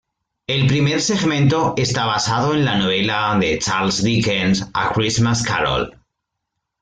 El primer segmento está basado en la novela de Charles Dickens, A Christmas Carol.